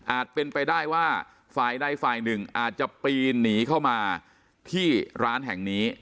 เป็นไปได้ว่าฝ่ายใดฝ่ายหนึ่งอาจจะปีนหนีเข้ามาที่ร้านแห่งนี้